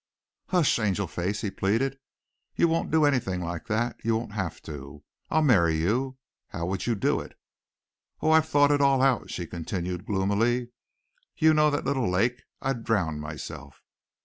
"Hush, Angel Face," he pleaded. "You won't do anything like that. You won't have to. I'll marry you How would you do it?" "Oh, I've thought it all out," she continued gloomily. "You know that little lake. I'd drown myself."